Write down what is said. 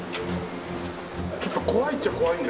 ちょっと怖いっちゃ怖いんですよ